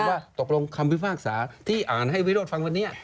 ว่าตกลงคำพิพากษาที่อ่านให้วิโรธฟังวันนี้